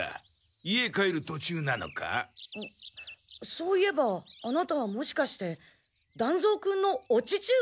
そういえばあなたはもしかして団蔵君のお父上？